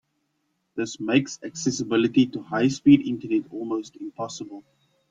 This makes accessibility to high speed internet almost impossible.